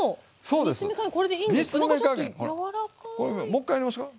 もう１回やりましょうか。